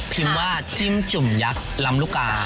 พิมพ์ว่าที่จุ่มยักษ์ลำลูกา